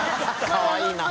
かわいいね。